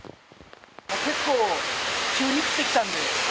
結構、急に降ってきたんで。